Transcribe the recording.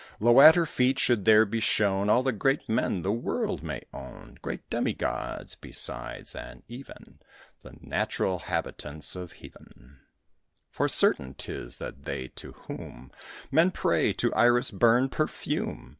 Low at her feet should there be shown All the great men the world may own, Great demi gods besides, and even The natural habitants of heaven; For certain 'tis that they to whom Men pray, to Iris burn perfume.